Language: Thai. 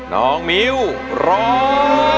น้องมิ้วร้อง